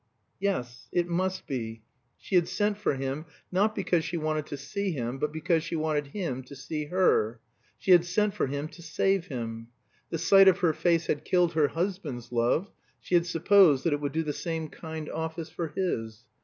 Yes, it must be. She had sent for him, not because she wanted to see him, but because she wanted him to see her. She had sent for him to save him. The sight of her face had killed her husband's love; she had supposed that it would do the same kind office for his.